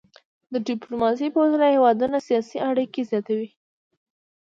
د ډيپلوماسي په وسيله هیوادونه سیاسي اړيکي زیاتوي.